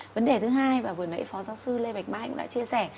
vấn đề thứ hai và vừa nãy phó giáo sư lê bạch mai cũng đã chia sẻ